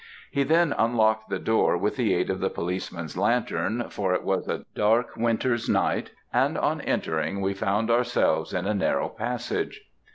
He then unlocked the door with the aid of the policeman's lantern, for it was a dark winter's night; and on entering, we found ourselves in a narrow passage.